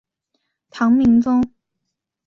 唐明宗